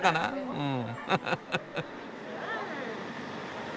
うん。